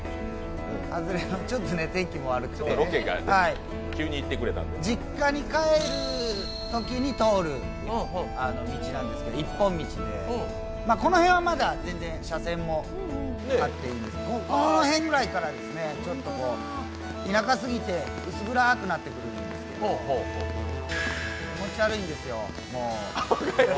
ちょっと天気も悪くて、実家に帰るときに通る道なんですけど一本道で、この辺はまだ車線もあっていいんですけどこの辺ぐらいから、ちょっと田舎過ぎて薄暗くなってくるんですけど気持ち悪いんですよ、もう。